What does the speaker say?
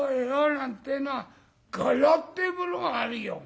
なんてえのは柄ってえものがあるよ。